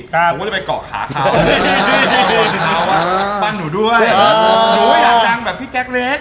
ผมก็เลยไปเกาะขาเข้าพ่อป๋องเขาอะปั้นหนูด้วยหนูไม่อยากดังแบบพี่แจ็คเล็ก